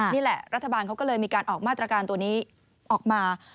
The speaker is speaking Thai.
นี่แหละรัฐบาลเขาก็เลยมีการออกมาตรการตัวนี้ออกมา